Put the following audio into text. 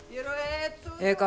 ええか？